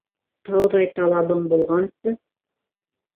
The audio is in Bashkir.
Тауҙай талабың булғансы.